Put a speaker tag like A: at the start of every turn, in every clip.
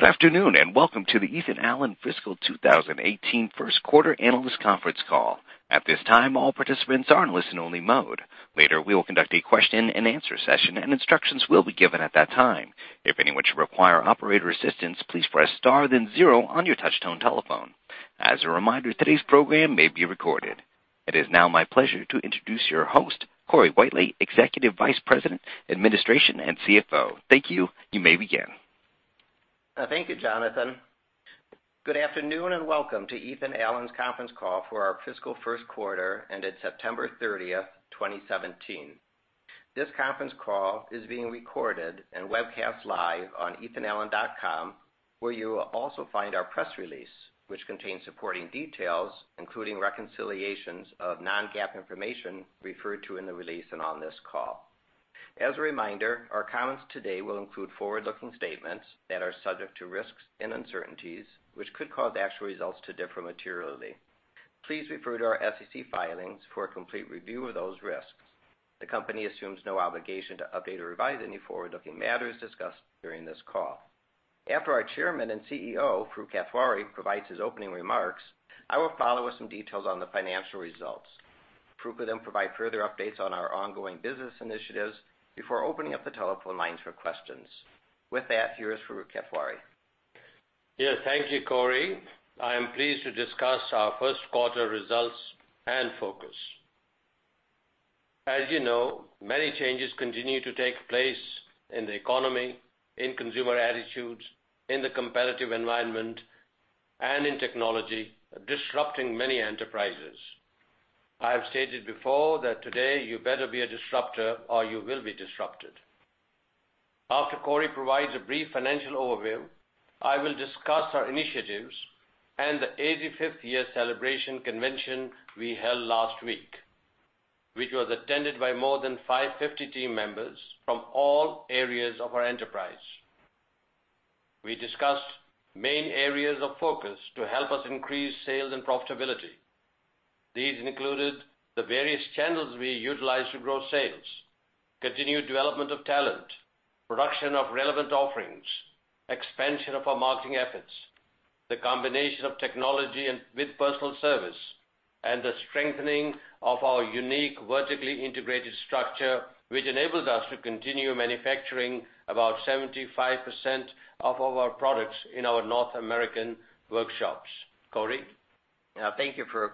A: Good afternoon, and welcome to the Ethan Allen fiscal 2018 first quarter analyst conference call. At this time, all participants are in listen-only mode. Later, we will conduct a question and answer session, and instructions will be given at that time. If anyone should require operator assistance, please press star then 0 on your touch-tone telephone. As a reminder, today's program may be recorded. It is now my pleasure to introduce your host, Corey Whitely, Executive Vice President, Administration and CFO. Thank you. You may begin.
B: Thank you, Jonathan. Good afternoon, and welcome to Ethan Allen's conference call for our fiscal first quarter ended September 30th, 2017. This conference call is being recorded and webcast live on ethanallen.com, where you will also find our press release, which contains supporting details, including reconciliations of non-GAAP information referred to in the release and on this call. As a reminder, our comments today will include forward-looking statements that are subject to risks and uncertainties, which could cause actual results to differ materially. Please refer to our SEC filings for a complete review of those risks. The company assumes no obligation to update or revise any forward-looking matters discussed during this call. After our Chairman and CEO, Farooq Kathwari, provides his opening remarks, I will follow with some details on the financial results. Farooq will then provide further updates on our ongoing business initiatives before opening up the telephone lines for questions. With that, here is Farooq Kathwari.
C: Yes. Thank you, Corey. I am pleased to discuss our first quarter results and focus. As you know, many changes continue to take place in the economy, in consumer attitudes, in the competitive environment, and in technology, disrupting many enterprises. I have stated before that today you better be a disruptor, or you will be disrupted. After Corey provides a brief financial overview, I will discuss our initiatives and the 85th-year celebration convention we held last week, which was attended by more than 550 team members from all areas of our enterprise. We discussed main areas of focus to help us increase sales and profitability. These included the various channels we utilize to grow sales, continued development of talent, production of relevant offerings, expansion of our marketing efforts, the combination of technology with personal service, and the strengthening of our unique vertically integrated structure, which enables us to continue manufacturing about 75% of our products in our North American workshops. Corey?
B: Thank you, Farooq.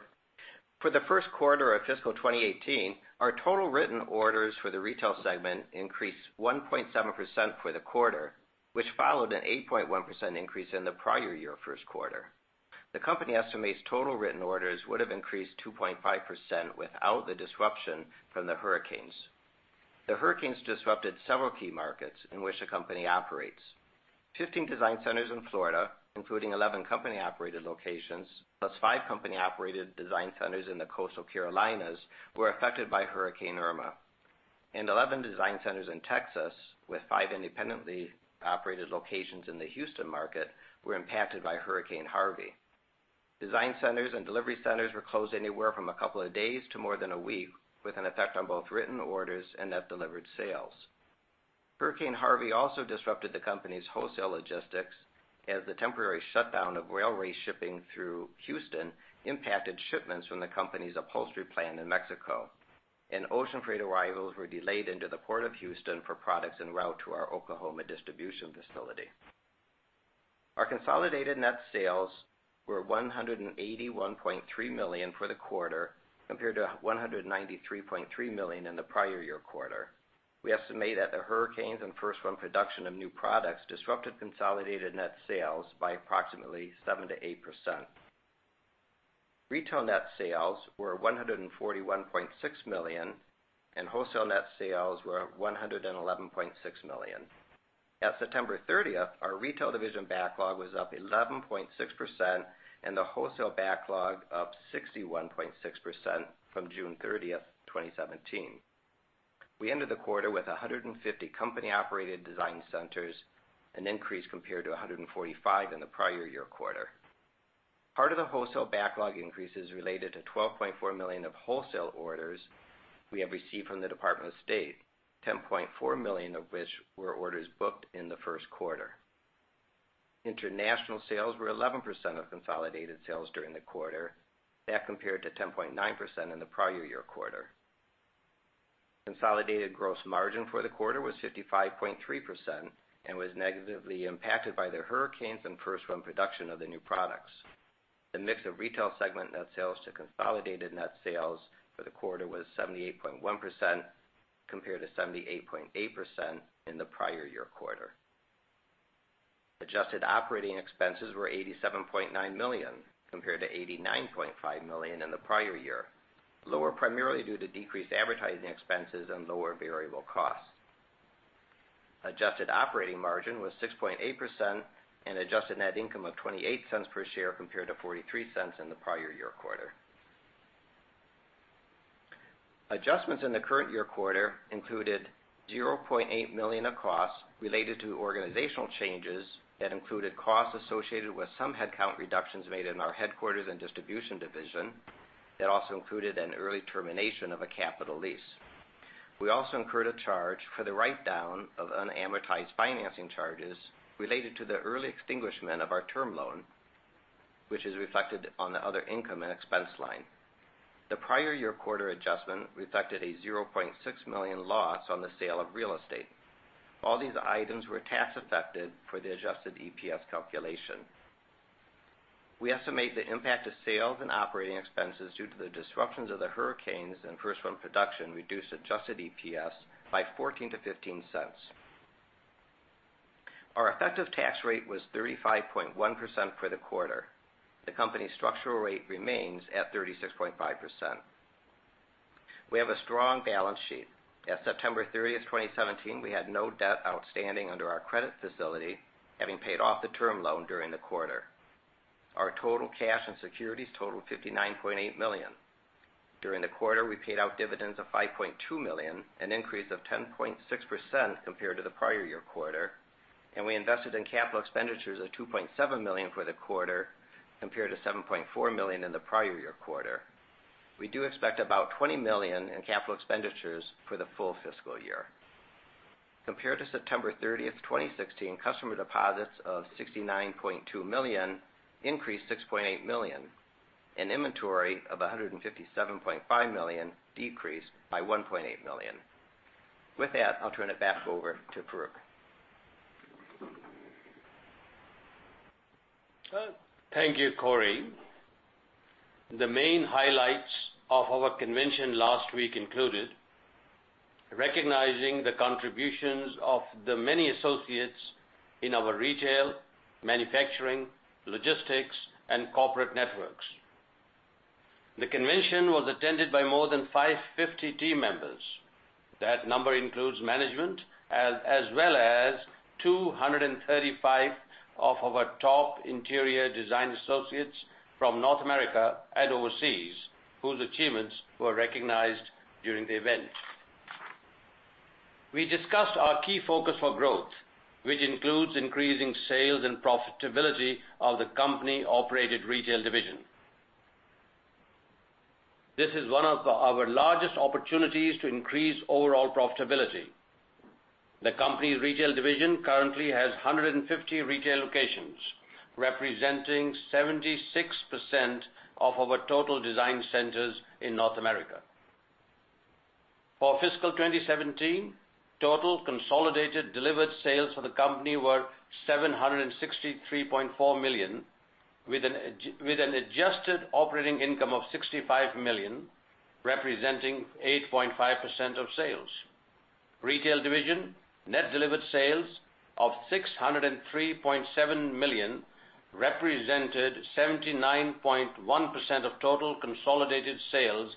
B: For the first quarter of fiscal 2018, our total written orders for the retail segment increased 1.7% for the quarter, which followed an 8.1% increase in the prior year first quarter. The company estimates total written orders would have increased 2.5% without the disruption from the hurricanes. The hurricanes disrupted several key markets in which the company operates. 15 design centers in Florida, including 11 company-operated locations, plus 5 company-operated design centers in the coastal Carolinas, were affected by Hurricane Irma. 11 design centers in Texas, with 5 independently operated locations in the Houston market, were impacted by Hurricane Harvey. Design centers and delivery centers were closed anywhere from a couple of days to more than a week, with an effect on both written orders and net delivered sales. Hurricane Harvey also disrupted the company's wholesale logistics as the temporary shutdown of railway shipping through Houston impacted shipments from the company's upholstery plant in Mexico. Ocean freight arrivals were delayed into the Port of Houston for products en route to our Oklahoma distribution facility. Our consolidated net sales were $181.3 million for the quarter, compared to $193.3 million in the prior year quarter. We estimate that the hurricanes and first-run production of new products disrupted consolidated net sales by approximately 7%-8%. Retail net sales were $141.6 million, and wholesale net sales were $111.6 million. At September 30th, our retail division backlog was up 11.6%, and the wholesale backlog up 61.6% from June 30th, 2017. We ended the quarter with 150 company-operated design centers, an increase compared to 145 in the prior year quarter. Part of the wholesale backlog increase is related to $12.4 million of wholesale orders we have received from the Department of State, $10.4 million of which were orders booked in the first quarter. International sales were 11% of consolidated sales during the quarter. That compared to 10.9% in the prior year quarter. Consolidated gross margin for the quarter was 55.3% and was negatively impacted by the hurricanes and first-run production of the new products. The mix of retail segment net sales to consolidated net sales for the quarter was 78.1% compared to 78.8% in the prior year quarter. Adjusted operating expenses were $87.9 million compared to $89.5 million in the prior year, lower primarily due to decreased advertising expenses and lower variable costs. Adjusted operating margin was 6.8% and adjusted net income of $0.28 per share compared to $0.43 in the prior year quarter. Adjustments in the current year quarter included $0.8 million of costs related to organizational changes that included costs associated with some headcount reductions made in our headquarters and distribution division. That also included an early termination of a capital lease. We also incurred a charge for the write-down of unamortized financing charges related to the early extinguishment of our term loan, which is reflected on the other income and expense line. The prior year quarter adjustment reflected a $0.6 million loss on the sale of real estate. All these items were tax affected for the adjusted EPS calculation. We estimate the impact to sales and operating expenses due to the disruptions of the hurricanes and first-run production reduced adjusted EPS by $0.14-$0.15. Our effective tax rate was 35.1% for the quarter. The company's structural rate remains at 36.5%. We have a strong balance sheet. At September 30th, 2017, we had no debt outstanding under our credit facility, having paid off the term loan during the quarter. Our total cash and securities totaled $59.8 million. During the quarter, we paid out dividends of $5.2 million, an increase of 10.6% compared to the prior year quarter, and we invested in capital expenditures of $2.7 million for the quarter, compared to $7.4 million in the prior year quarter. We do expect about $20 million in capital expenditures for the full fiscal year. Compared to September 30th, 2016, customer deposits of $69.2 million increased $6.8 million, and inventory of $157.5 million decreased by $1.8 million. With that, I'll turn it back over to Farooq.
C: Thank you, Corey. The main highlights of our convention last week included recognizing the contributions of the many associates in our retail, manufacturing, logistics, and corporate networks. The convention was attended by more than 550 team members. That number includes management, as well as 235 of our top interior design associates from North America and overseas, whose achievements were recognized during the event. We discussed our key focus for growth, which includes increasing sales and profitability of the company-operated retail division. This is one of our largest opportunities to increase overall profitability. The company's retail division currently has 150 retail locations, representing 76% of our total design centers in North America. For fiscal 2017, total consolidated delivered sales for the company were $763.4 million, with an adjusted operating income of $65 million, representing 8.5% of sales. Retail division net delivered sales of $603.7 million represented 79.1% of total consolidated sales,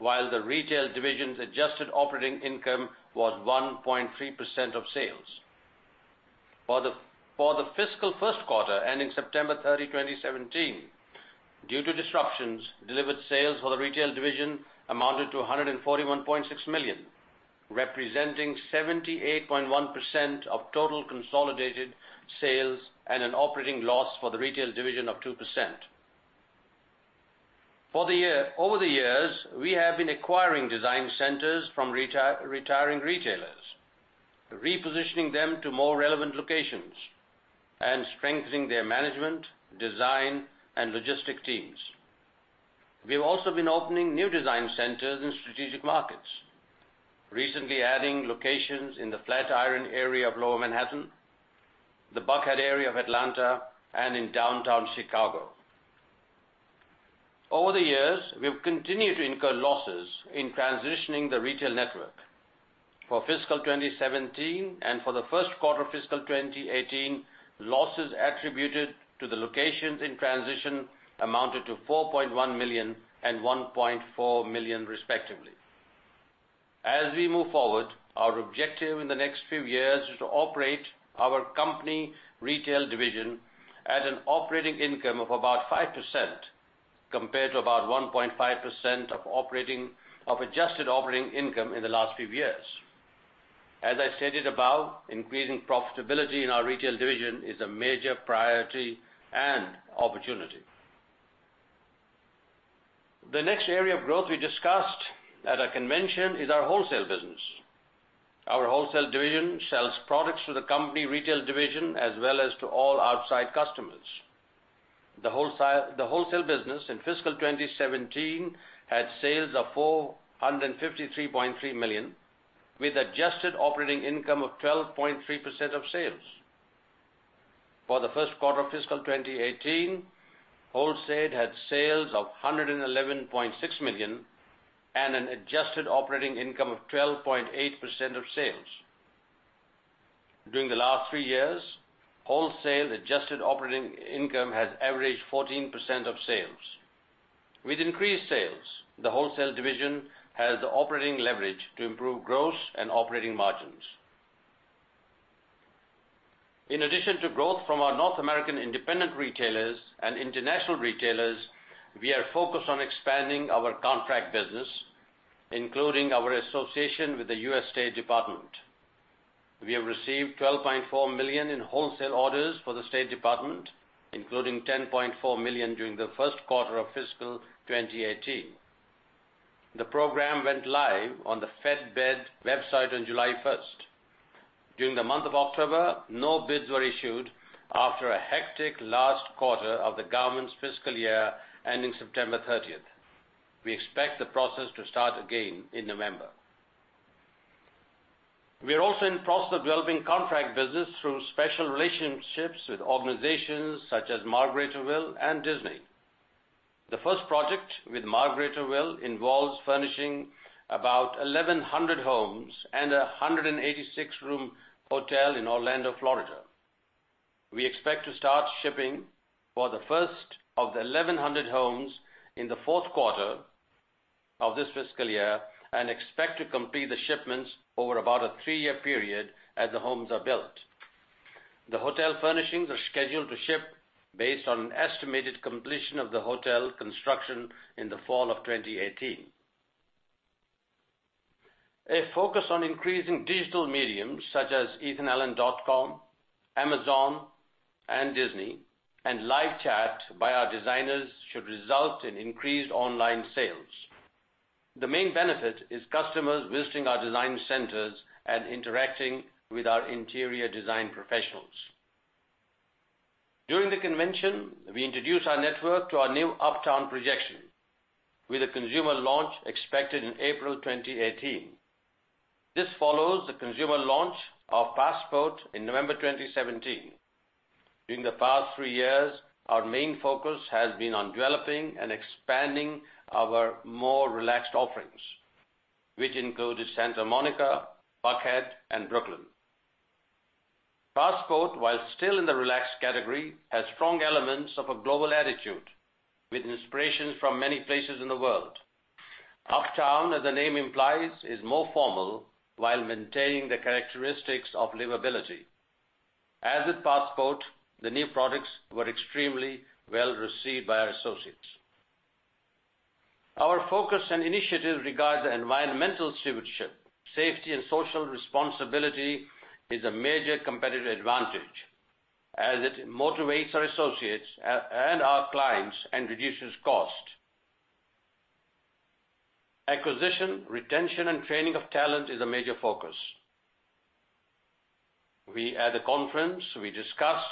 C: while the retail division's adjusted operating income was 1.3% of sales. For the fiscal first quarter ending September 30, 2017, due to disruptions, delivered sales for the retail division amounted to $141.6 million, representing 78.1% of total consolidated sales and an operating loss for the retail division of 2%. Over the years, we have been acquiring design centers from retiring retailers, repositioning them to more relevant locations, and strengthening their management, design, and logistic teams. We've also been opening new design centers in strategic markets, recently adding locations in the Flatiron area of Lower Manhattan, the Buckhead area of Atlanta, and in downtown Chicago. Over the years, we've continued to incur losses in transitioning the retail network. For fiscal 2017 and for the first quarter of fiscal 2018, losses attributed to the locations in transition amounted to $4.1 million and $1.4 million, respectively. As we move forward, our objective in the next few years is to operate our company retail division at an operating income of about 5%, compared to about 1.5% of adjusted operating income in the last few years. As I stated above, increasing profitability in our retail division is a major priority and opportunity. The next area of growth we discussed at our convention is our wholesale business. Our wholesale division sells products to the company retail division, as well as to all outside customers. The wholesale business in fiscal 2017 had sales of $453.3 million, with adjusted operating income of 12.3% of sales. For the first quarter of fiscal 2018, wholesale had sales of $111.6 million and an adjusted operating income of 12.8% of sales. During the last three years, wholesale adjusted operating income has averaged 14% of sales. With increased sales, the wholesale division has the operating leverage to improve gross and operating margins. In addition to growth from our North American independent retailers and international retailers, we are focused on expanding our contract business, including our association with the U.S. State Department. We have received $12.4 million in wholesale orders for the State Department, including $10.4 million during the first quarter of fiscal 2018. The program went live on the FedBid website on July 1st. During the month of October, no bids were issued after a hectic last quarter of the government's fiscal year ending September 30th. We expect the process to start again in November. We are also in the process of developing contract business through special relationships with organizations such as Margaritaville and Disney. The first project with Margaritaville involves furnishing about 1,100 homes and 186-room hotel in Orlando, Florida. We expect to start shipping for the first of the 1,100 homes in the fourth quarter of this fiscal year, and expect to complete the shipments over about a three-year period as the homes are built. The hotel furnishings are scheduled to ship based on an estimated completion of the hotel construction in the fall of 2018. A focus on increasing digital mediums such as ethanallen.com, Amazon and Disney, and live chat by our designers should result in increased online sales. The main benefit is customers visiting our design centers and interacting with our interior design professionals. During the convention, we introduced our network to our new Uptown collection, with a consumer launch expected in April 2018. This follows the consumer launch of Passport in November 2017. During the past three years, our main focus has been on developing and expanding our more relaxed offerings, which included Santa Monica, Buckhead, and Brooklyn. Passport, while still in the relaxed category, has strong elements of a global attitude, with inspirations from many places in the world. Uptown, as the name implies, is more formal while maintaining the characteristics of livability. As with Passport, the new products were extremely well-received by our associates. Our focus and initiative regarding environmental stewardship, safety, and social responsibility is a major competitive advantage, as it motivates our associates and our clients and reduces cost. Acquisition, retention, and training of talent is a major focus. At the conference, we discussed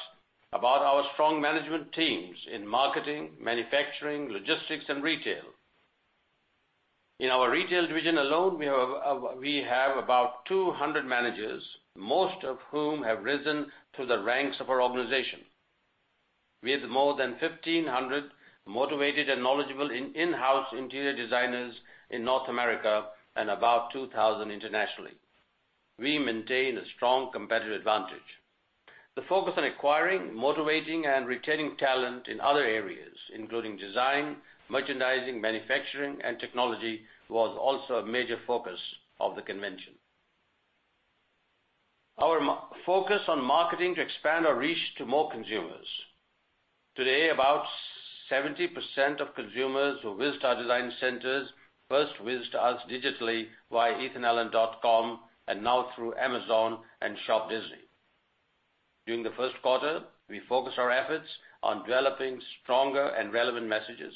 C: about our strong management teams in marketing, manufacturing, logistics, and retail. In our retail division alone, we have about 200 managers, most of whom have risen through the ranks of our organization. With more than 1,500 motivated and knowledgeable in-house interior designers in North America and about 2,000 internationally, we maintain a strong competitive advantage. The focus on acquiring, motivating, and retaining talent in other areas, including design, merchandising, manufacturing, and technology, was also a major focus of the convention. Our focus on marketing to expand our reach to more consumers. Today, about 70% of consumers who visit our design centers first visit us digitally via ethanallen.com and now through Amazon and shopDisney. During the first quarter, we focused our efforts on developing stronger and relevant messages.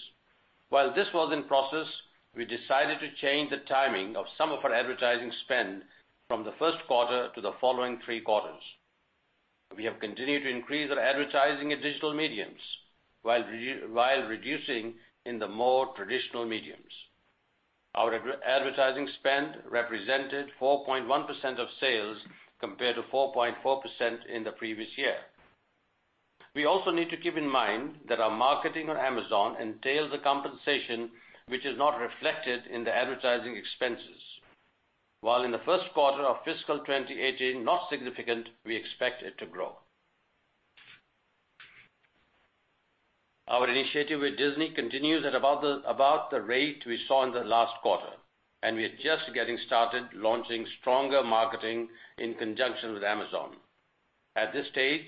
C: While this was in process, we decided to change the timing of some of our advertising spend from the first quarter to the following three quarters. We have continued to increase our advertising in digital mediums while reducing in the more traditional mediums. Our advertising spend represented 4.1% of sales compared to 4.4% in the previous year. We also need to keep in mind that our marketing on Amazon entails a compensation which is not reflected in the advertising expenses. While in the first quarter of fiscal 2018, not significant, we expect it to grow. Our initiative with Disney continues at about the rate we saw in the last quarter, and we are just getting started launching stronger marketing in conjunction with Amazon. At this stage,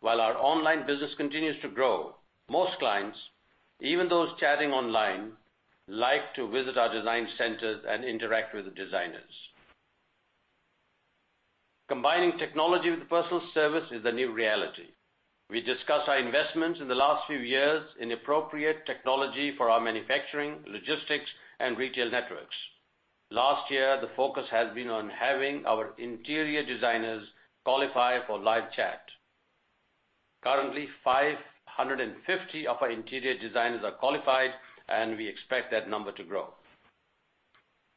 C: while our online business continues to grow, most clients, even those chatting online, like to visit our design centers and interact with the designers. Combining technology with personal service is the new reality. We discussed our investments in the last few years in appropriate technology for our manufacturing, logistics, and retail networks. Last year, the focus has been on having our interior designers qualify for live chat. Currently, 550 of our interior designers are qualified, and we expect that number to grow.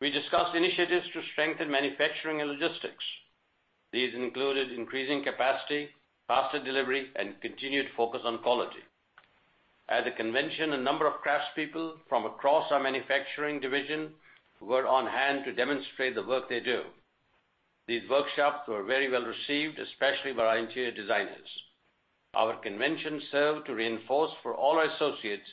C: We discussed initiatives to strengthen manufacturing and logistics. These included increasing capacity, faster delivery, and continued focus on quality. At the convention, a number of craftspeople from across our manufacturing division were on hand to demonstrate the work they do. These workshops were very well-received, especially by our interior designers. Our convention served to reinforce for all our associates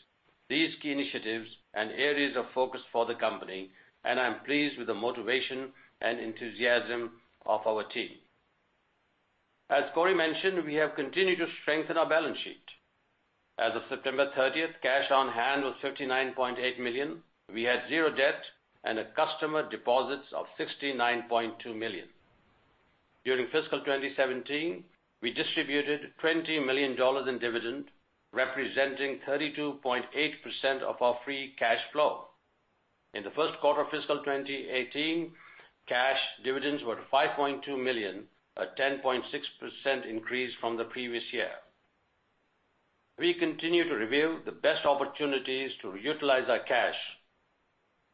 C: these key initiatives and areas of focus for the company, and I'm pleased with the motivation and enthusiasm of our team. As Corey mentioned, we have continued to strengthen our balance sheet. As of September 30th, cash on hand was $59.8 million. We had 0 debt and customer deposits of $69.2 million. During fiscal 2017, we distributed $20 million in dividend, representing 32.8% of our free cash flow. In the first quarter of fiscal 2018, cash dividends were $5.2 million, a 10.6% increase from the previous year. We continue to review the best opportunities to utilize our cash,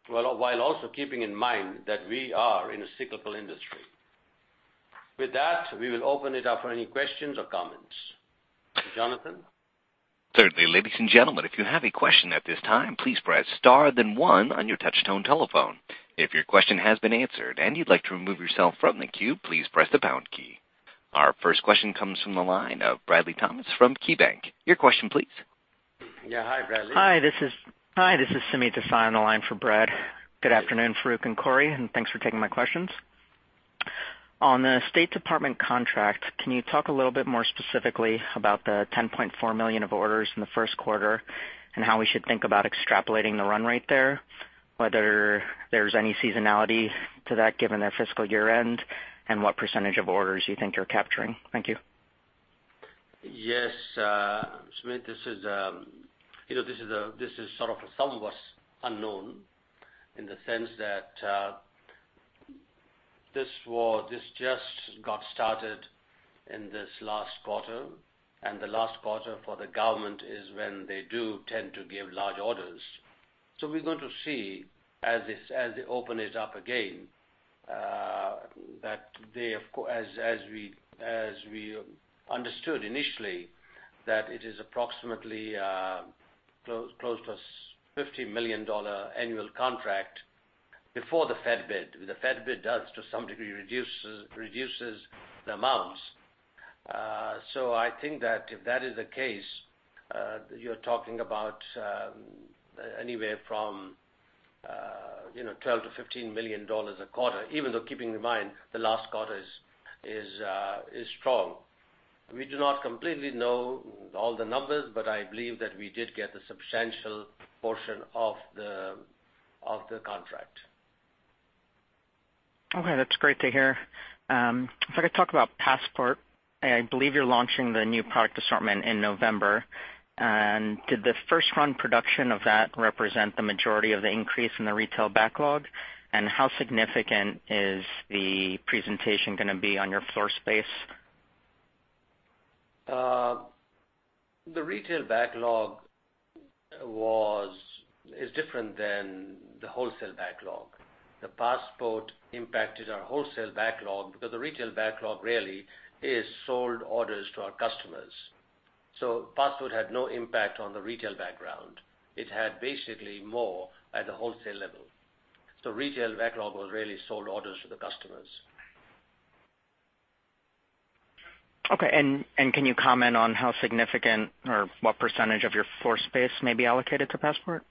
C: while also keeping in mind that we are in a cyclical industry. With that, we will open it up for any questions or comments. Jonathan?
A: Thirdly, ladies and gentlemen, if you have a question at this time, please press star then one on your touchtone telephone. If your question has been answered and you'd like to remove yourself from the queue, please press the pound key. Our first question comes from the line of Bradley Thomas from KeyBanc. Your question, please.
C: Yeah. Hi, Bradley.
D: Hi, this is Smit Desai on the line for Brad. Good afternoon, Farooq and Corey. Thanks for taking my questions. On the State Department contract, can you talk a little bit more specifically about the $10.4 million of orders in the first quarter, and how we should think about extrapolating the run rate there? Whether there's any seasonality to that given their fiscal year-end, and what % of orders you think you're capturing. Thank you.
C: Yes, Smit. This is sort of somewhat unknown in the sense that this just got started in this last quarter. The last quarter for the government is when they do tend to give large orders. We're going to see as they open it up again, that as we understood initially, that it is approximately close to a $50 million annual contract before the FedBid. The FedBid does, to some degree, reduces the amounts. I think that if that is the case, you're talking about anywhere from $12 million-$15 million a quarter, even though keeping in mind the last quarter is strong. We do not completely know all the numbers. I believe that we did get a substantial portion of the contract.
D: Okay, that's great to hear. If I could talk about Passport. I believe you're launching the new product assortment in November. Did the first-run production of that represent the majority of the increase in the retail backlog? How significant is the presentation going to be on your floor space?
C: The retail backlog is different than the wholesale backlog. The Passport impacted our wholesale backlog because the retail backlog really is sold orders to our customers. Passport had no impact on the retail backlog. It had basically more at the wholesale level. Retail backlog was really sold orders to the customers.
D: Okay. Can you comment on how significant or what % of your floor space may be allocated to Passport?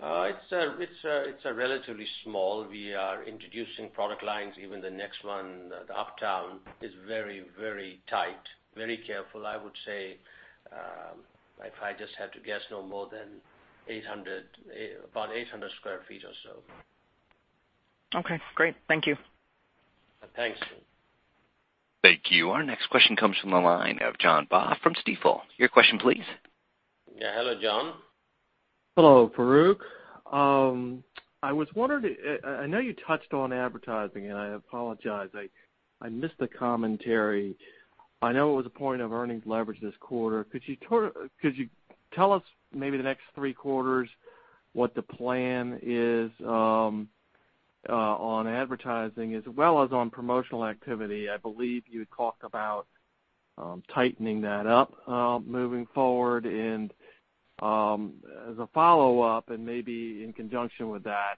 C: It's relatively small. We are introducing product lines, even the next one, the Uptown, is very tight, very careful. I would say, if I just had to guess, no more than about 800 sq ft or so.
D: Okay, great. Thank you.
C: Thanks.
A: Thank you. Our next question comes from the line of John Baugh from Stifel. Your question please.
C: Hello, John.
E: Hello, Farooq. I know you touched on advertising, I apologize, I missed the commentary. I know it was a point of earnings leverage this quarter. Could you tell us maybe the next three quarters, what the plan is on advertising as well as on promotional activity? I believe you had talked about tightening that up moving forward. As a follow-up, and maybe in conjunction with that,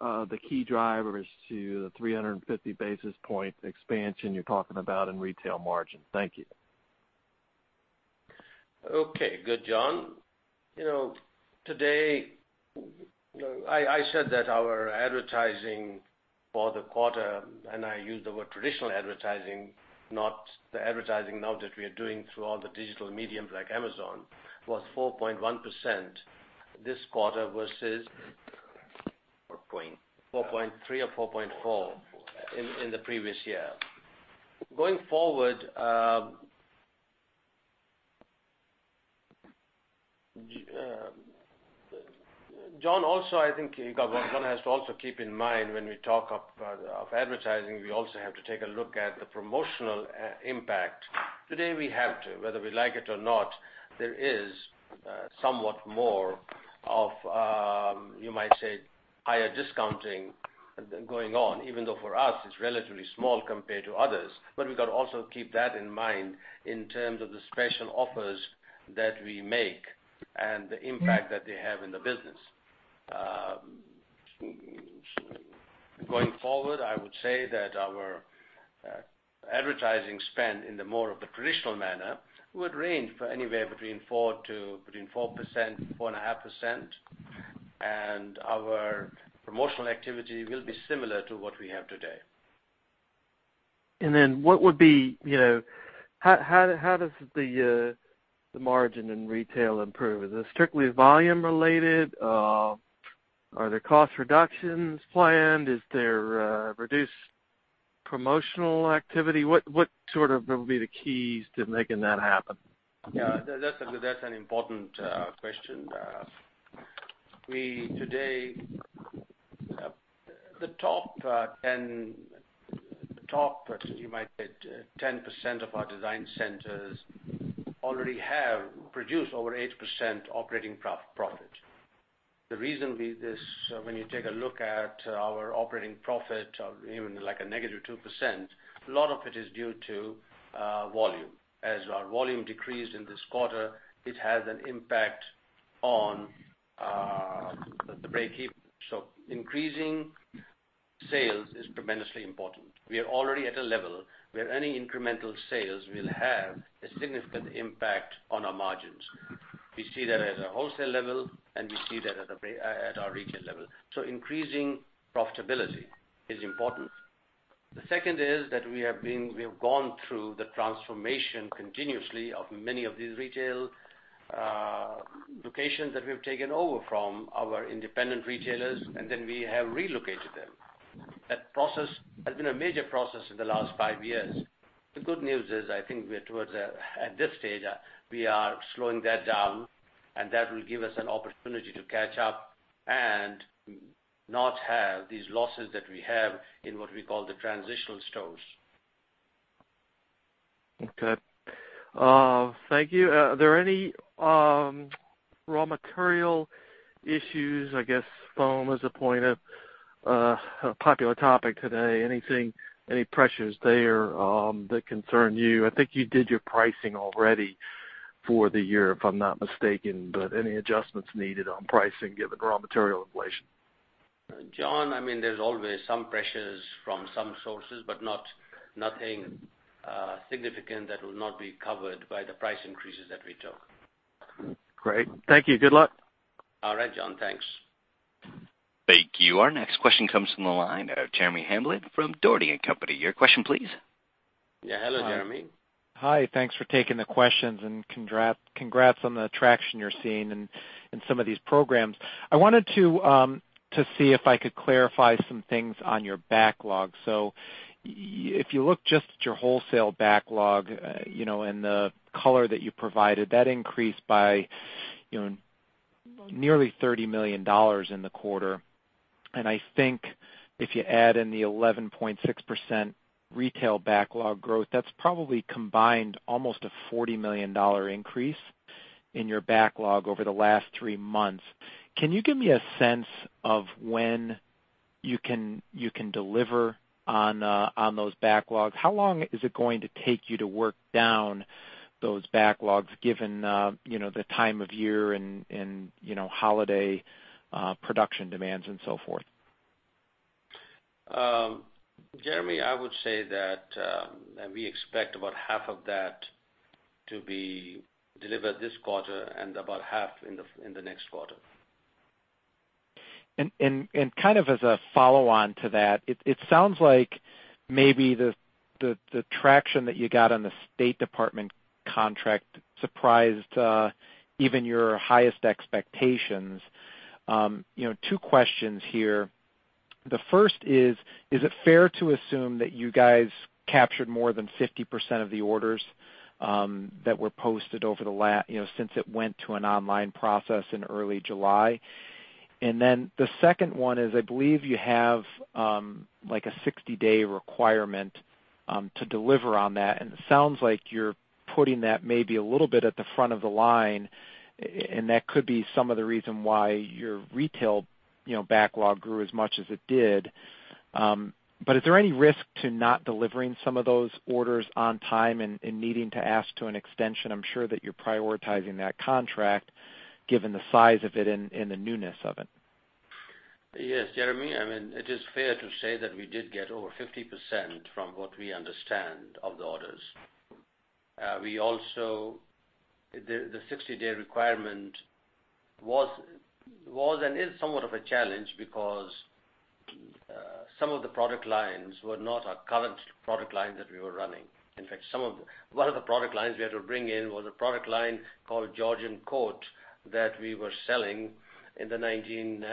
E: the key drivers to the 350 basis point expansion you're talking about in retail margin. Thank you.
C: Okay. Good, John. Today, I said that our advertising for the quarter, and I used the word traditional advertising, not the advertising now that we are doing through all the digital mediums like Amazon, was 4.1% this quarter versus 4.3 or 4.4 in the previous year. Going forward, John, I think one has to also keep in mind when we talk of advertising, we also have to take a look at the promotional impact. Today we have to, whether we like it or not, there is somewhat more of, you might say, higher discounting going on, even though for us it's relatively small compared to others. We got to also keep that in mind in terms of the special offers that we make and the impact that they have in the business. Going forward, I would say that our advertising spend in the more of the traditional manner would range for anywhere between 4.5%. Our promotional activity will be similar to what we have today.
E: How does the margin in retail improve? Is it strictly volume related? Are there cost reductions planned? Is there reduced promotional activity? What will be the keys to making that happen?
C: Yeah. That's an important question. The top 10%, you might say, of our design centers already have produced over 8% operating profit. The reason is this, when you take a look at our operating profit, even like a negative 2%, a lot of it is due to volume. As our volume decreased in this quarter, it has an impact on the breakeven. Increasing sales is tremendously important. We are already at a level where any incremental sales will have a significant impact on our margins. We see that at a wholesale level, and we see that at our retail level. Increasing profitability is important. The second is that we have gone through the transformation continuously of many of these retail locations that we've taken over from our independent retailers, and then we have relocated them. That process has been a major process in the last five years. The good news is, I think at this stage, we are slowing that down, and that will give us an opportunity to catch up and not have these losses that we have in what we call the transitional stores.
E: Okay. Thank you. Are there any raw material issues, I guess foam is a popular topic today. Any pressures there that concern you? I think you did your pricing already for the year, if I'm not mistaken, but any adjustments needed on pricing given raw material inflation?
C: John, there's always some pressures from some sources, but nothing significant that will not be covered by the price increases that we took.
E: Great. Thank you. Good luck.
C: All right, John. Thanks.
A: Thank you. Our next question comes from the line of Jeremy Hamblin from Dougherty & Company. Your question, please.
C: Yeah. Hello, Jeremy.
F: Hi. Thanks for taking the questions, and congrats on the traction you're seeing in some of these programs. I wanted to see if I could clarify some things on your backlog. If you look just at your wholesale backlog, and the color that you provided, that increased by nearly $30 million in the quarter. I think if you add in the 11.6% retail backlog growth, that's probably combined almost a $40 million increase in your backlog over the last three months. Can you give me a sense of when you can deliver on those backlogs? How long is it going to take you to work down those backlogs, given the time of year and holiday production demands and so forth?
C: Jeremy, I would say that we expect about half of that to be delivered this quarter and about half in the next quarter.
F: Kind of as a follow-on to that, it sounds like maybe the traction that you got on the State Department contract surprised even your highest expectations. Two questions here. The first is it fair to assume that you guys captured more than 50% of the orders that were posted since it went to an online process in early July? The second one is, I believe you have a 60-day requirement to deliver on that, and it sounds like you're putting that maybe a little bit at the front of the line, and that could be some of the reason why your retail backlog grew as much as it did. Is there any risk to not delivering some of those orders on time and needing to ask to an extension? I'm sure that you're prioritizing that contract, given the size of it and the newness of it.
C: Yes, Jeremy. It is fair to say that we did get over 50% from what we understand of the orders. The 60-day requirement was and is somewhat of a challenge because some of the product lines were not our current product line that we were running. In fact, one of the product lines we had to bring in was a product line called Georgian Court that we were selling in the 70s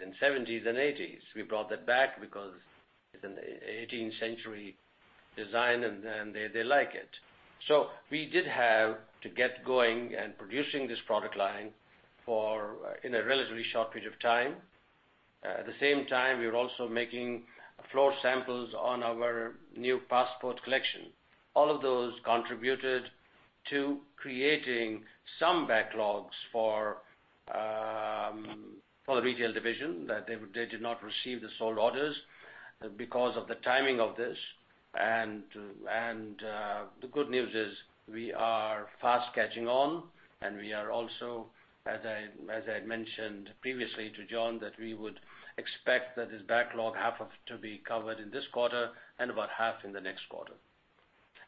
C: and 80s. We brought that back because it's an 18th century design, and they like it. We did have to get going and producing this product line in a relatively short period of time. At the same time, we were also making floor samples on our new Passport collection. All of those contributed to creating some backlogs for the retail division that they did not receive the sold orders because of the timing of this. The good news is we are fast catching on, we are also, as I had mentioned previously to John, that we would expect that this backlog half of to be covered in this quarter and about half in the next quarter.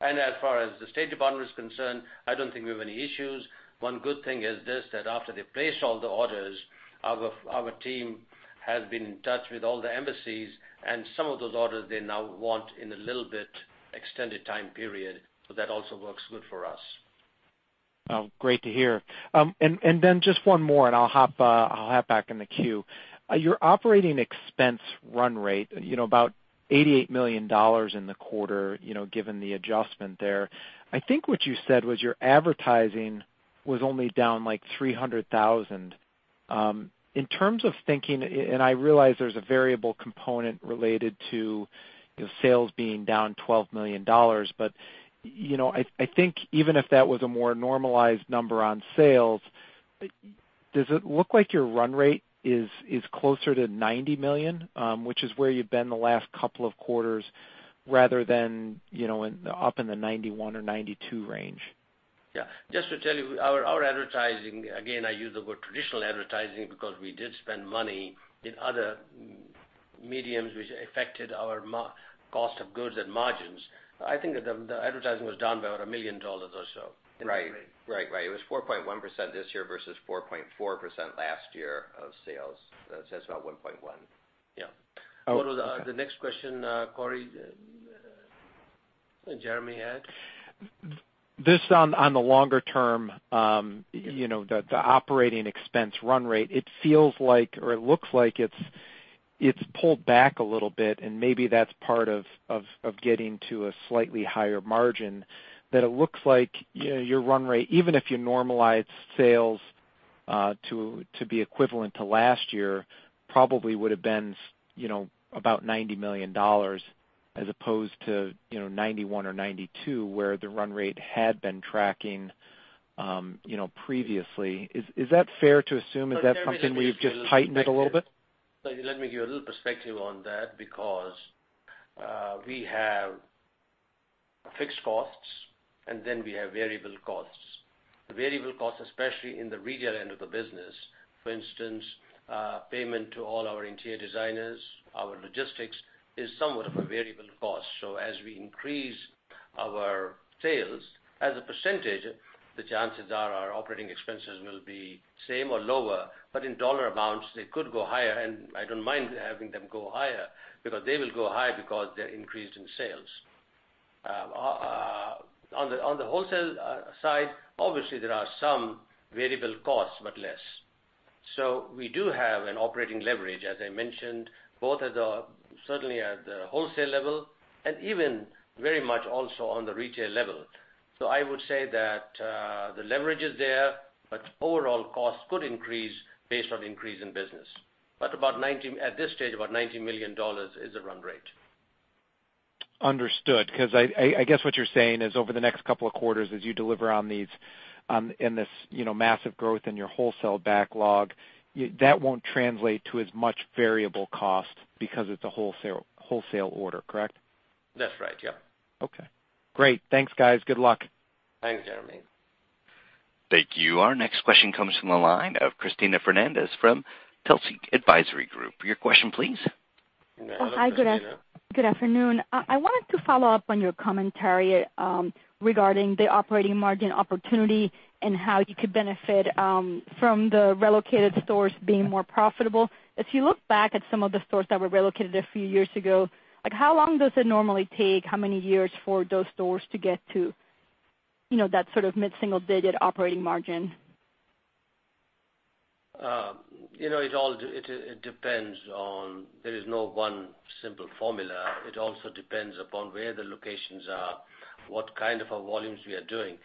C: As far as the State Department is concerned, I don't think we have any issues. One good thing is this, that after they place all the orders, our team has been in touch with all the embassies, and some of those orders they now want in a little bit extended time period, that also works good for us.
F: Oh, great to hear. Just one more, I'll hop back in the queue. Your operating expense run rate about $88 million in the quarter, given the adjustment there. I think what you said was your advertising was only down like $300,000. In terms of thinking, I realize there's a variable component related to sales being down $12 million, I think even if that was a more normalized number on sales, does it look like your run rate is closer to $90 million? Which is where you've been the last couple of quarters, rather than up in the $91 million or $92 million range.
C: Yeah. Just to tell you, our advertising, again, I use the word traditional advertising because we did spend money in other mediums, which affected our cost of goods and margins. I think the advertising was down by about $1 million or so.
F: Right.
B: Right. It was 4.1% this year versus 4.4% last year of sales. That says about 1.1%.
C: Yeah. What was the next question, Corey? Jeremy had.
F: This on the longer term, the operating expense run rate. It feels like or it looks like it's pulled back a little bit and maybe that's part of getting to a slightly higher margin, that it looks like your run rate, even if you normalized sales to be equivalent to last year, probably would have been about $90 million as opposed to $91 or $92 where the run rate had been tracking previously. Is that fair to assume? Is that something where you've just tightened it a little bit?
C: Let me give you a little perspective on that, because we have fixed costs and then we have variable costs. Variable costs, especially in the retail end of the business, for instance, payment to all our interior designers, our logistics, is somewhat of a variable cost. As we increase our sales as a percentage, the chances are our operating expenses will be same or lower, but in dollar amounts, they could go higher. I don't mind having them go higher because they will go high because they're increased in sales. On the wholesale side, obviously, there are some variable costs, but less. We do have an operating leverage, as I mentioned, both certainly at the wholesale level and even very much also on the retail level. I would say that the leverage is there, but overall costs could increase based on increase in business. At this stage, about $90 million is a run rate.
F: Understood. I guess what you're saying is over the next couple of quarters, as you deliver on these in this massive growth in your wholesale backlog, that won't translate to as much variable cost because it's a wholesale order, correct?
C: That's right. Yeah.
F: Okay, great. Thanks, guys. Good luck.
C: Thanks, Jeremy.
A: Thank you. Our next question comes from the line of Cristina Fernández from Telsey Advisory Group. Your question, please.
C: Hello, Cristina.
G: Hi, good afternoon. I wanted to follow up on your commentary regarding the operating margin opportunity and how you could benefit from the relocated stores being more profitable. If you look back at some of the stores that were relocated a few years ago, how long does it normally take, how many years for those stores to get to that sort of mid-single-digit operating margin?
C: There is no one simple formula. It also depends upon where the locations are, what kind of volumes we are doing.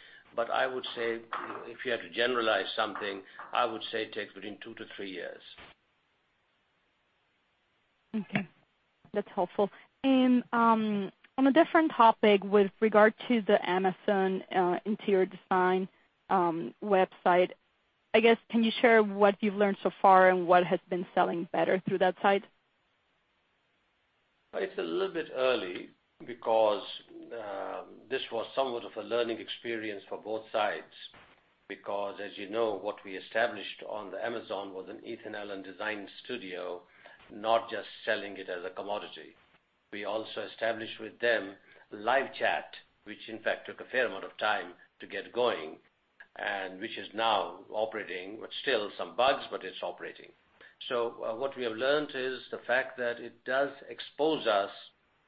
C: I would say if you had to generalize something, I would say it takes between two to three years.
G: Okay, that's helpful. On a different topic with regard to the Amazon interior design website, I guess, can you share what you've learned so far and what has been selling better through that site?
C: It's a little bit early because this was somewhat of a learning experience for both sides. As you know, what we established on the Amazon was an Ethan Allen design studio, not just selling it as a commodity. We also established with them live chat, which in fact took a fair amount of time to get going, and which is now operating with still some bugs, but it's operating. What we have learned is the fact that it does expose us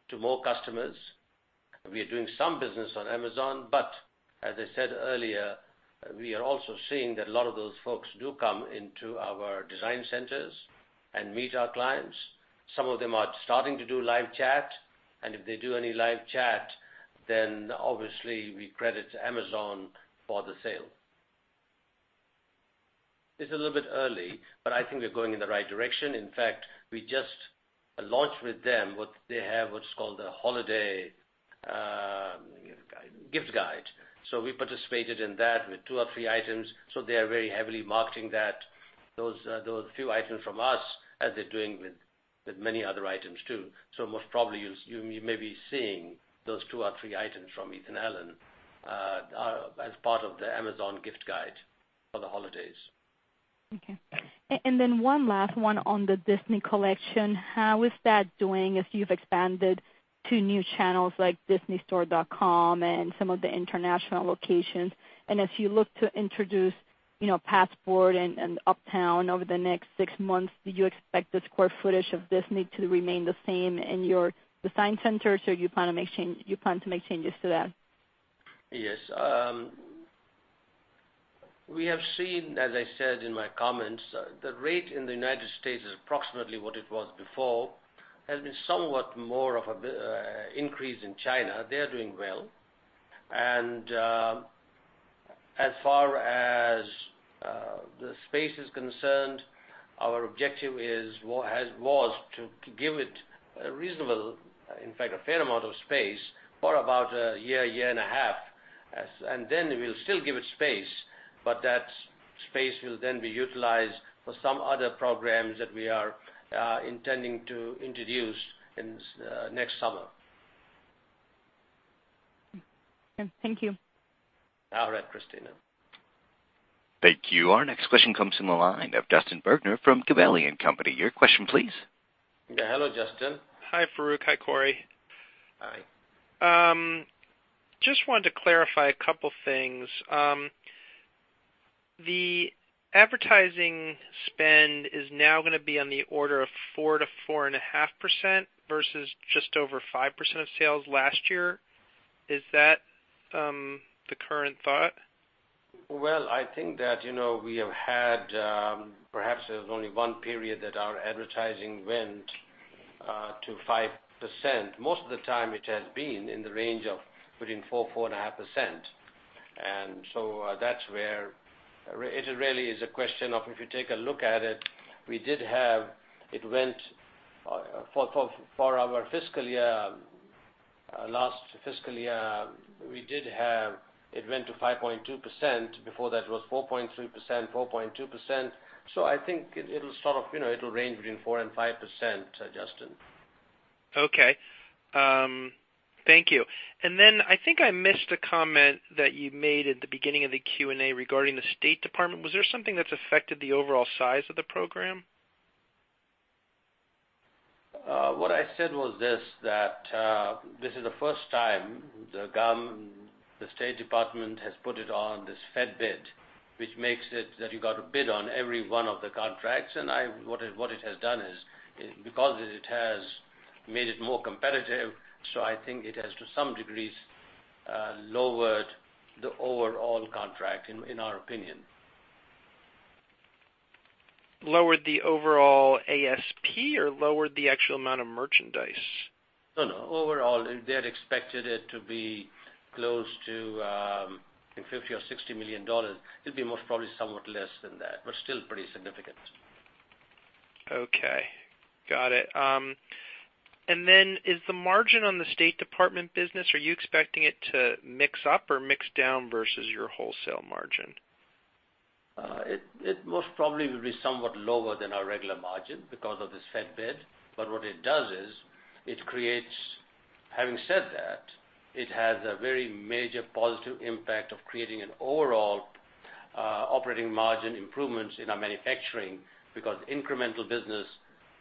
C: to more customers. We are doing some business on Amazon, but as I said earlier, we are also seeing that a lot of those folks do come into our design centers and meet our clients. Some of them are starting to do live chat, and if they do any live chat, then obviously we credit Amazon for the sale. It's a little bit early, but I think we're going in the right direction. In fact, we just launched with them what they have what's called a holiday gift guide. We participated in that with two or three items, they are very heavily marketing that. Those few items from us, as they're doing with many other items too. Most probably you may be seeing those two or three items from Ethan Allen as part of the Amazon gift guide for the holidays.
G: Okay. Then one last one on the Disney collection. How is that doing as you've expanded to new channels like disneystore.com and some of the international locations? As you look to introduce Passport and Uptown over the next six months, do you expect the square footage of Disney to remain the same in your design centers, or you plan to make changes to that?
C: Yes. We have seen, as I said in my comments, the rate in the United States is approximately what it was before. Has been somewhat more of an increase in China. They are doing well. As far as the space is concerned, our objective was to give it a reasonable, in fact, a fair amount of space for about a year and a half. Then we'll still give it space, but that space will then be utilized for some other programs that we are intending to introduce in next summer.
G: Okay. Thank you.
C: All right, Cristina.
A: Thank you. Our next question comes from the line of Justin Bergner from Gabelli & Company. Your question, please.
C: Yeah. Hello, Justin.
H: Hi, Farooq. Hi, Corey.
C: Hi.
H: Just wanted to clarify a couple things. The advertising spend is now going to be on the order of 4%-4.5% versus just over 5% of sales last year. Is that the current thought?
C: Well, I think that, we have had, perhaps there was only one period that our advertising went to 5%. Most of the time, it has been in the range of between 4%, 4.5%. That's where it really is a question of, if you take a look at it, for our last fiscal year, it went to 5.2%. Before that it was 4.3%, 4.2%. I think it'll range between 4% and 5%, Justin.
H: Thank you. I think I missed a comment that you made at the beginning of the Q&A regarding the State Department. Was there something that's affected the overall size of the program?
C: What I said was this, that this is the first time the State Department has put it on this FedBid, which makes it that you got to bid on every one of the contracts. What it has done is, because it has made it more competitive, so I think it has, to some degrees, lowered the overall contract, in our opinion.
H: Lowered the overall ASP or lowered the actual amount of merchandise?
C: No, no. Overall, they had expected it to be close to, in $50 million or $60 million. It'd be most probably somewhat less than that, but still pretty significant.
H: Okay. Got it. Is the margin on the State Department business, are you expecting it to mix up or mix down versus your wholesale margin?
C: It most probably will be somewhat lower than our regular margin because of this FedBid, but what it does is, having said that, it has a very major positive impact of creating an overall operating margin improvements in our manufacturing because incremental business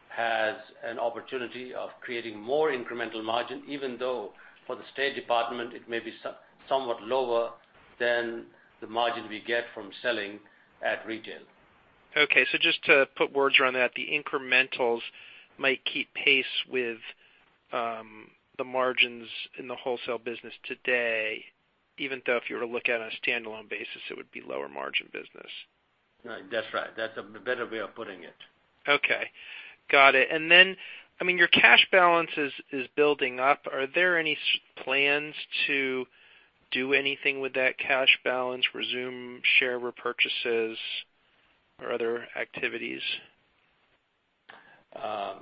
C: has an opportunity of creating more incremental margin, even though for the State Department, it may be somewhat lower than the margin we get from selling at retail.
H: Okay. Just to put words around that, the incrementals might keep pace with the margins in the wholesale business today, even though if you were to look at a standalone basis, it would be lower margin business.
C: That's right. That's a better way of putting it.
H: Okay. Got it. Your cash balance is building up. Are there any plans to do anything with that cash balance, resume share repurchases or other activities?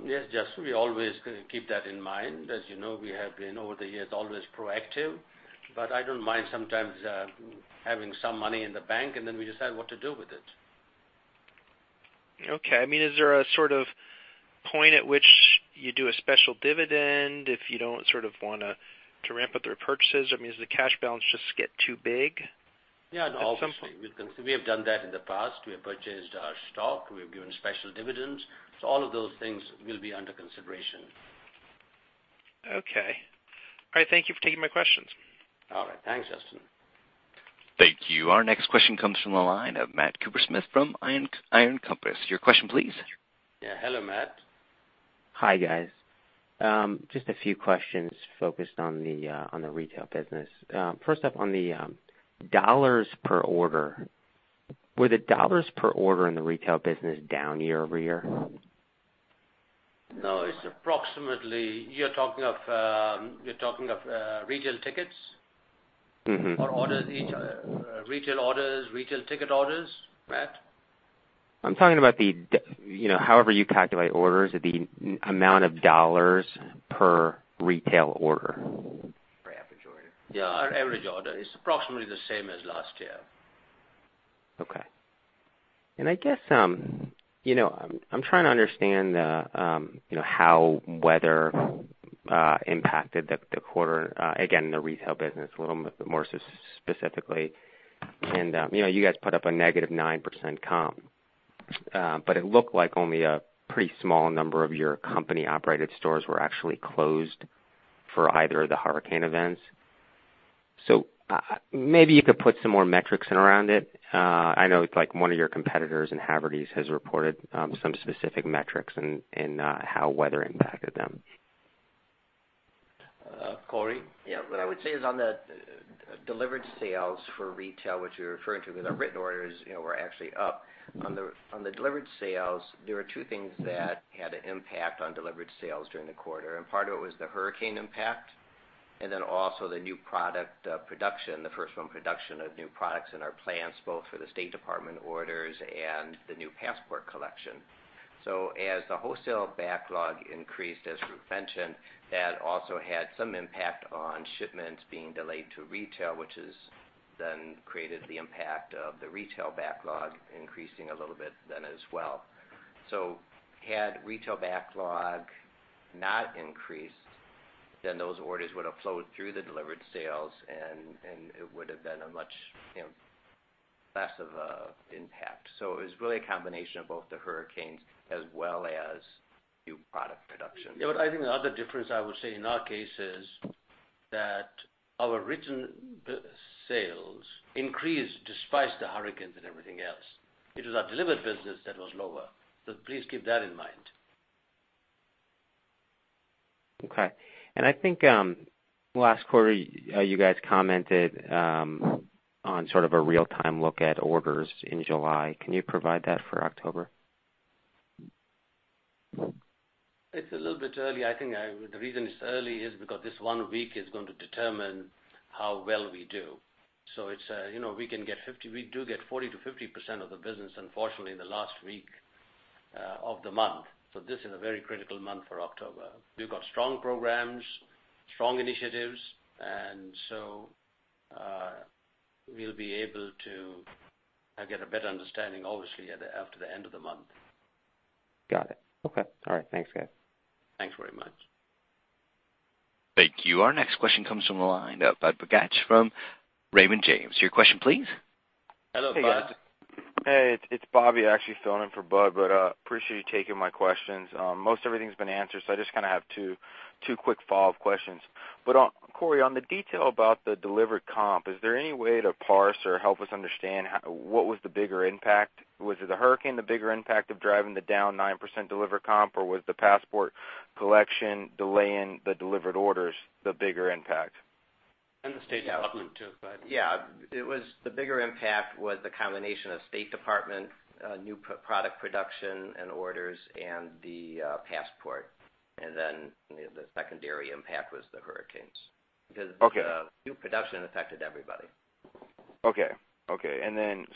C: Yes, Justin, we always keep that in mind. As you know, we have been, over the years, always proactive, but I don't mind sometimes having some money in the bank. We decide what to do with it.
H: Okay. Is there a sort of point at which you do a special dividend if you don't sort of want to ramp up the repurchases? Does the cash balance just get too big?
C: Yeah. Obviously, we have done that in the past. We have purchased our stock. We have given special dividends. All of those things will be under consideration.
H: Okay. All right. Thank you for taking my questions.
C: All right. Thanks, Justin.
A: Thank you. Our next question comes from the line of Matt Kupersmith from Iron Compass. Your question, please.
C: Yeah. Hello, Matt.
I: Hi, guys. Just a few questions focused on the retail business. First up on the dollars per order. Were the dollars per order in the retail business down year-over-year?
C: No. You're talking of retail tickets? Retail orders, retail ticket orders, Matt?
I: I'm talking about however you calculate orders, the amount of dollars per retail order.
C: Per average order. Yeah, our average order is approximately the same as last year.
I: Okay. I guess, I'm trying to understand how weather impacted the quarter, again, the retail business a little more specifically. You guys put up a negative 9% comp, it looked like only a pretty small number of your company-operated stores were actually closed for either of the hurricane events. Maybe you could put some more metrics in around it. I know one of your competitors in Havertys has reported some specific metrics in how weather impacted them.
C: Corey?
B: Yeah. What I would say is on the delivered sales for retail, which you're referring to, because our written orders were actually up. On the delivered sales, there were two things that had an impact on delivered sales during the quarter, and part of it was the hurricane impact, and then also the new product production, the first-run production of new products in our plants, both for the State Department orders and the new Passport collection. As the wholesale backlog increased, as Farooq mentioned, that also had some impact on shipments being delayed to retail, which has then created the impact of the retail backlog increasing a little bit then as well. Had retail backlog not increased, then those orders would have flowed through the delivered sales and it would have been a much less of an impact. It was really a combination of both the hurricanes as well as new product production.
C: Yeah. I think the other difference I would say in our case is that our written sales increased despite the hurricanes and everything else. It was our delivered business that was lower. Please keep that in mind.
I: Okay. I think last quarter, you guys commented on sort of a real-time look at orders in July. Can you provide that for October?
C: It's a little bit early. I think the reason it's early is because this one week is going to determine how well we do. We do get 40%-50% of the business, unfortunately, in the last week of the month. This is a very critical month for October. We've got strong programs, strong initiatives, we'll be able to get a better understanding, obviously, after the end of the month.
I: Got it. Okay. All right. Thanks, guys.
C: Thanks very much.
A: Thank you. Our next question comes from the line of Budd Bugatch from Raymond James. Your question, please.
C: Hello, Bud.
J: Hey guys. Hey, it's Bobby actually filling in for Bud. Appreciate you taking my questions. Most everything's been answered. I just have two quick follow-up questions. Corey, on the detail about the delivered comp, is there any way to parse or help us understand what was the bigger impact? Was it the hurricane the bigger impact of driving the down 9% delivered comp, or was the Passport collection delaying the delivered orders the bigger impact?
B: The State Department too, Budd. Yeah. The bigger impact was the combination of State Department, new product production and orders, and the Passport. The secondary impact was the hurricanes.
J: Okay.
B: Because new production affected everybody.
J: Okay. The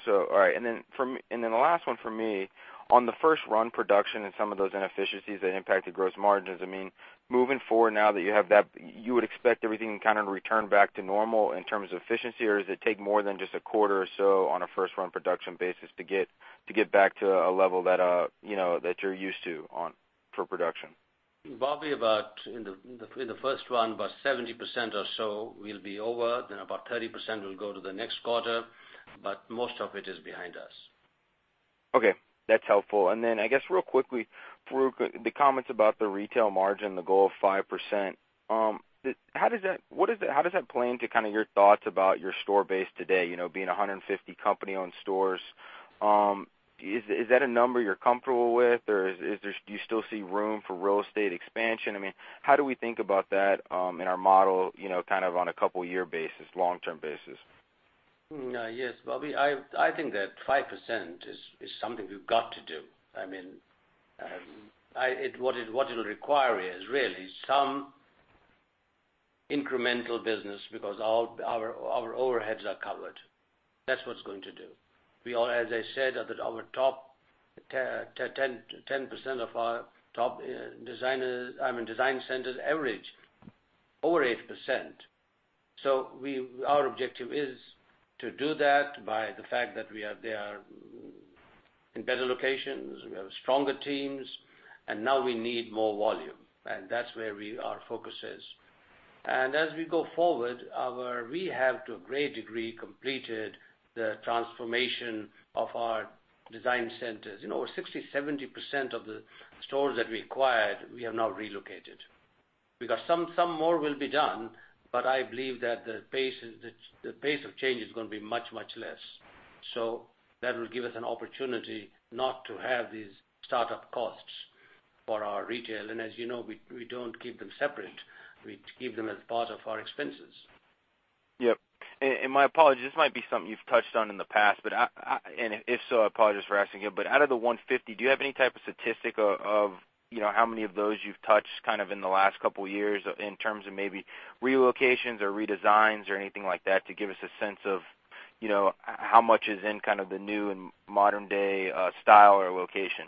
J: last one from me. On the first-run production and some of those inefficiencies that impacted gross margins, moving forward, now that you have that, you would expect everything to kind of return back to normal in terms of efficiency, or does it take more than just a quarter or so on a first-run production basis to get back to a level that you're used to for production?
C: Bobby, in the first-run, about 70% or so will be over, then about 30% will go to the next quarter, but most of it is behind us.
J: Okay, that's helpful. I guess real quickly, Farooq, the comments about the retail margin, the goal of 5%. How does that play into your thoughts about your store base today, being 150 company-owned stores? Is that a number you're comfortable with, or do you still see room for real estate expansion? How do we think about that in our model on a couple of year basis, long-term basis?
C: Yes, Bobby, I think that 5% is something we've got to do. What it'll require is really some incremental business because our overheads are covered. That's what's going to do. As I said, 10% of our top design centers average over 8%. Our objective is to do that by the fact that they are in better locations, we have stronger teams, and now we need more volume. That's where our focus is. As we go forward, our rehab, to a great degree, completed the transformation of our design centers. Over 60%, 70% of the stores that we acquired, we have now relocated. Some more will be done, but I believe that the pace of change is going to be much, much less. That will give us an opportunity not to have these startup costs for our retail. As you know, we don't keep them separate. We keep them as part of our expenses.
J: Yep. My apologies, this might be something you've touched on in the past, and if so, I apologize for asking again. Out of the 150, do you have any type of statistic of how many of those you've touched in the last couple of years in terms of maybe relocations or redesigns or anything like that to give us a sense of how much is in the new and modern-day style or location?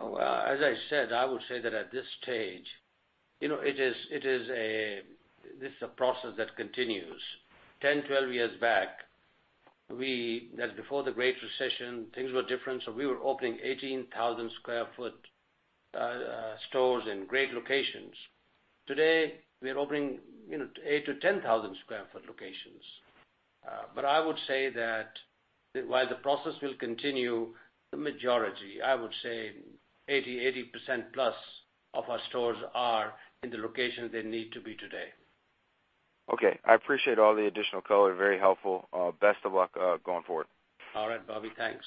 C: As I said, I would say that at this stage, this is a process that continues. 10, 12 years back, that's before the Great Recession, things were different. We were opening 18,000 sq ft stores in great locations. Today, we are opening 8-10,000 sq ft locations. I would say that while the process will continue, the majority, I would say 80% plus of our stores are in the location they need to be today.
J: I appreciate all the additional color. Very helpful. Best of luck, going forward.
C: Bobby. Thanks.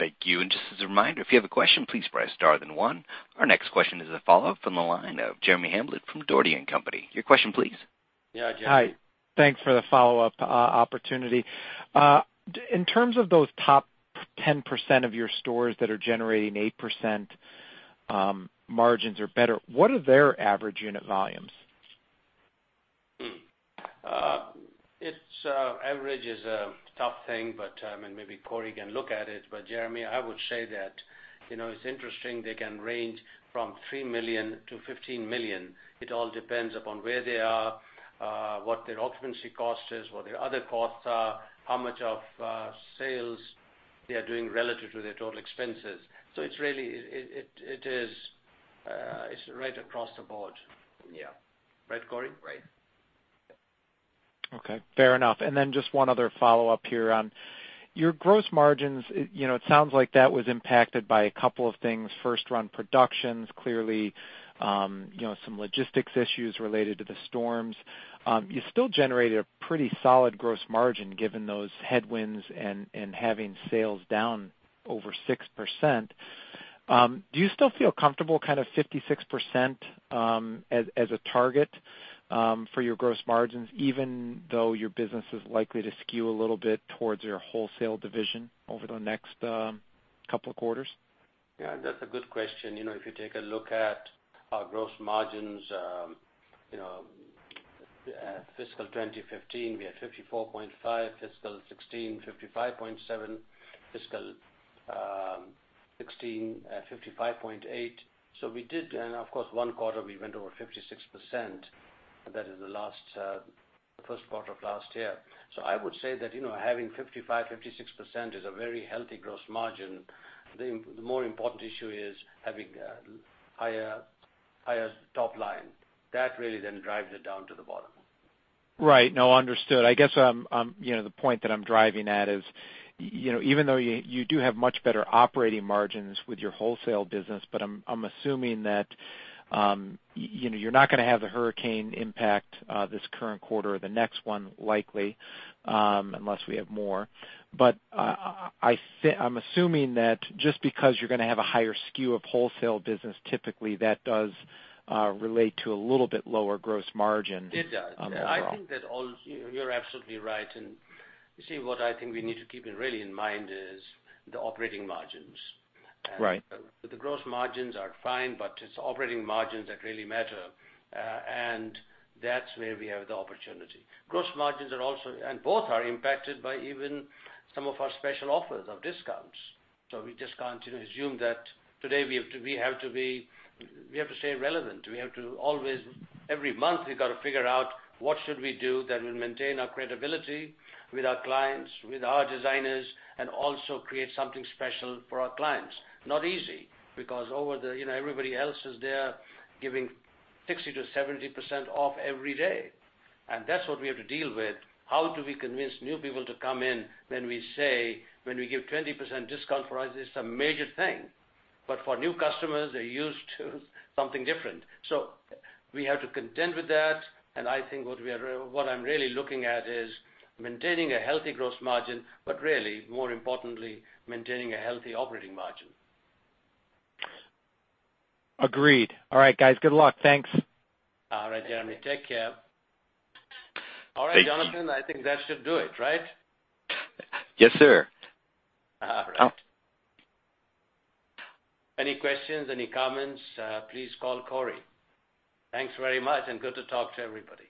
A: Thank you. Just as a reminder, if you have a question, please press star then one. Our next question is a follow-up from the line of Jeremy Hamblin from Dougherty & Company. Your question please.
C: Yeah, Jeremy.
F: Hi. Thanks for the follow-up opportunity. In terms of those top 10% of your stores that are generating 8% margins or better, what are their average unit volumes?
C: Average is a tough thing, but, and maybe Corey can look at it, but Jeremy, I would say that it's interesting they can range from $3 million-$15 million. It all depends upon where they are, what their occupancy cost is, what their other costs are, how much of sales they are doing relative to their total expenses. It's right across the board. Yeah. Right, Corey? Right.
F: Okay. Fair enough. Then just one other follow-up here. Your gross margins, it sounds like that was impacted by a couple of things. First, around productions, clearly, some logistics issues related to the storms. You still generated a pretty solid gross margin given those headwinds and having sales down over 6%. Do you still feel comfortable kind of 56% as a target for your gross margins, even though your business is likely to skew a little bit towards your wholesale division over the next couple of quarters?
C: Yeah, that's a good question. If you take a look at our gross margins, fiscal 2015, we had 54.5%, fiscal 2017, 55.7%, fiscal 2016, 55.8%. We did, and of course, one quarter we went over 56%, that is the first quarter of last year. I would say that, having 55%-56% is a very healthy gross margin. The more important issue is having higher top line. That really then drives it down to the bottom.
F: Right. No, understood. I guess, the point that I'm driving at is, even though you do have much better operating margins with your wholesale business, I'm assuming that you're not gonna have the hurricane impact, this current quarter or the next one likely, unless we have more. I'm assuming that just because you're gonna have a higher skew of wholesale business, typically that does relate to a little bit lower gross margin.
C: It does
F: overall.
C: I think that you're absolutely right. You see, what I think we need to keep really in mind is the operating margins.
F: Right.
C: The gross margins are fine, but it's operating margins that really matter. That's where we have the opportunity. Gross margins are also impacted by even some of our special offers of discounts. We just can't assume that today we have to stay relevant. Every month, we've got to figure out what should we do that will maintain our credibility with our clients, with our designers, and also create something special for our clients. Not easy, because everybody else is there giving 60%-70% off every day. That's what we have to deal with. How do we convince new people to come in when we give 20% discount for us, it's a major thing. For new customers, they're used to something different. We have to contend with that, I think what I'm really looking at is maintaining a healthy gross margin, really more importantly, maintaining a healthy operating margin.
F: Agreed. All right, guys. Good luck. Thanks.
C: All right, Jeremy. Take care.
A: Thank you.
C: All right, Jonathan, I think that should do it, right?
A: Yes, sir.
C: All right. Any questions, any comments, please call Corey. Thanks very much, and good to talk to everybody.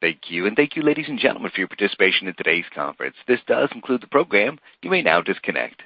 A: Thank you. Thank you, ladies and gentlemen, for your participation in today's conference. This does conclude the program. You may now disconnect.